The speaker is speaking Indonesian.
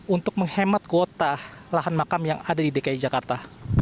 untuk menghemat kuota lahan makam yang ada di dki jakarta